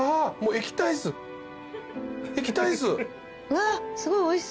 液体です。